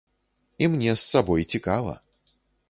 І мне з сабой цікава.